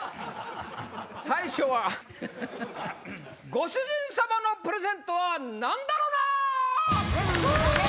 最初はご主人様のプレゼントはなんだろな？